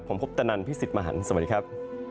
ผมคุปตะนันพี่สิทธิ์มหันฯสวัสดีครับ